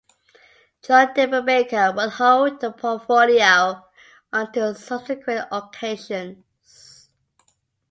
John Diefenbaker would hold the portfolio on two subsequent occasions.